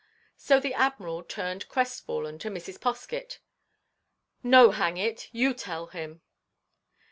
So the Admiral turned crestfallen to Mrs. Poskett, "No, hang it! You tell him!"